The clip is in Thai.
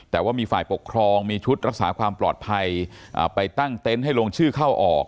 แต่ว่ามีฝ่ายปกครองมีชุดรักษาความปลอดภัยไปตั้งเต็นต์ให้ลงชื่อเข้าออก